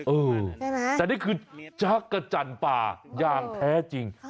เออใช่มั้ยแต่นี่คือจักรจันทร์ป่ายางแท้จริง